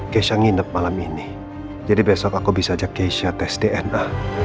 kesha nginep malam ini jadi besok aku bisa ajak keisha tes dna